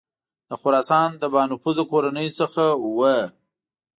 د خراسان له بانفوذه کورنیو څخه وه.